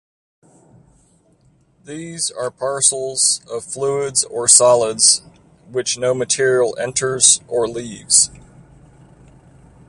These are parcels of fluids or solids which no material enters or leaves.